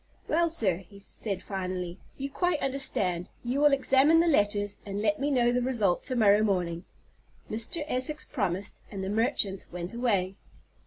"Well, sir." he said finally, "you quite understand. You will examine the letters, and let me know the result to morrow morning." Mr. Essex promised, and the merchant went away.